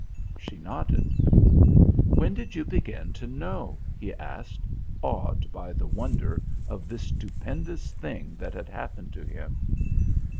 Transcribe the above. She nodded. "When did you begin to know?" he asked, awed by the wonder of this stupendous thing that had happened to him.